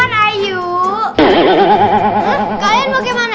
tapi gua pakai handphone